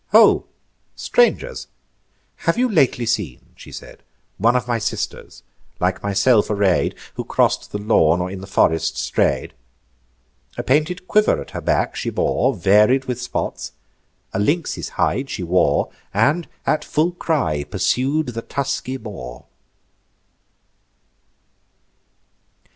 "Ho, strangers! have you lately seen," she said, "One of my sisters, like myself array'd, Who cross'd the lawn, or in the forest stray'd? A painted quiver at her back she bore; Varied with spots, a lynx's hide she wore; And at full cry pursued the tusky boar."